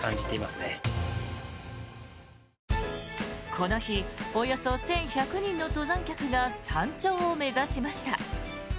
この日およそ１１００人の登山客が山頂を目指しました。